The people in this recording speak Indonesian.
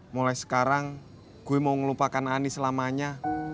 mulai sekarang gue mau ngelupakan anies selamanya